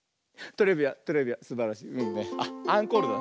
あっアンコールだ。